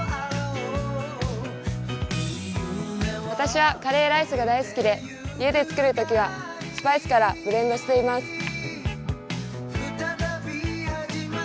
私はカレーライスが大好きで家で作るときはスパイスからブレンドしています。